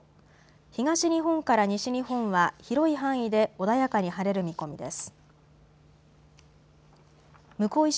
東日本から西日本は広い範囲で穏やかに晴れる見込みです。